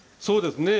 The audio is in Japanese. そうです。